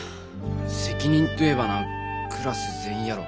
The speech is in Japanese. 責任といえばなクラス全員やろ。